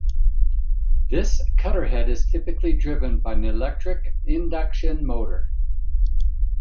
This cutter head is typically driven by an electric induction motor.